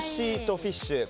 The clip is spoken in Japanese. フィッシュ。